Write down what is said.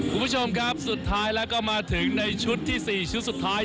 คุณผู้ชมครับสุดท้ายแล้วก็มาถึงในชุดที่๔ชุดสุดท้าย